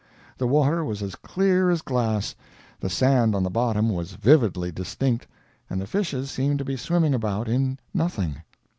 The water was as clear as glass, the sand on the bottom was vividly distinct, and the fishes seemed to be swimming about in nothing.